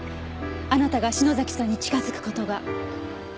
あなたが篠崎さんに近付く事が。